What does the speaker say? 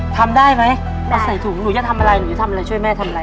ทำได้ไหมใส่ถุงหนูจะทำอะไรหนูจะทำอะไรช่วยแม่ทำอะไร